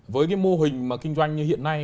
với cái mô hình mà kinh doanh như hiện nay